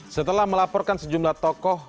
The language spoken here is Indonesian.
setelah melaporkan sejumlah tokoh